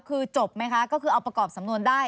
คือจบไหมคะก็คือเอาประกอบสำนวนได้